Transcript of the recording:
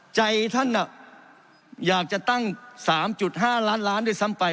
ใจท่านอยากจะตั้ง๓๕ล้านล้านด้วยซ้ำไป